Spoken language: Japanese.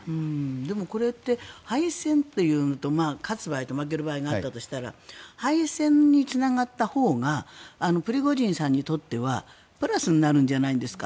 これって、敗戦というのと勝つ場合と負ける場合があるとすれば敗戦につながったほうがプリゴジンさんにとってはプラスになるんじゃないですか。